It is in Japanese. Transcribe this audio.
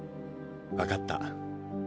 分かった。